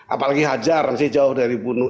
apalagi hajar masih jauh dari bunuh